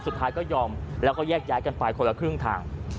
สุดท้ายก็ยอมแล้วก็แยกย้ายกันไปคนละครึ่งทาง